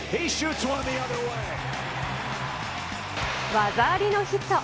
技ありのヒット。